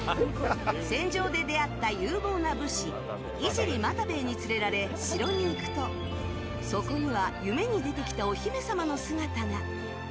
戦場で出会った勇猛な武士井尻又兵衛に連れられ城に行くと、そこには夢に出てきたお姫様の姿が。